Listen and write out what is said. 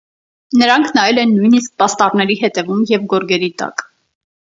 Նրանք նայել են նույնիսկ պաստառների ետևում և գորգերի տակ։